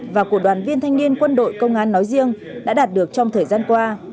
và của đoàn viên thanh niên quân đội công an nói riêng đã đạt được trong thời gian qua